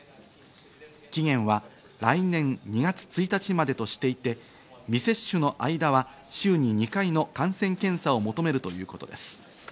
期限は来年２月１日までとしていて、未接種の間は週に２回の感染検査を求めるということです。